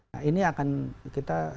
nah ini akan kita